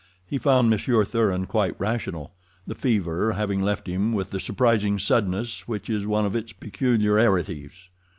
He found Monsieur Thuran quite rational, the fever having left him with the surprising suddenness which is one of its peculiarities.